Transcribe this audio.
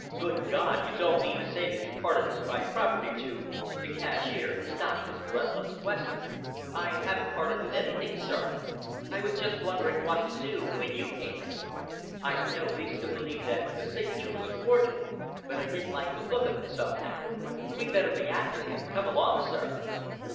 Good God! You don't mean to say that you parted with my property to—" The cashier stopped his breathless question. "I haven't parted with anything, sir," he said. "I was just wondering what to do when you came in. I'd no reason to believe that the signature was a forgery, but I didn't like the look of it, somehow. We'd better be after him. Come along, sir."